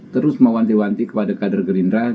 terus mewanti wanti kepada kader gerindra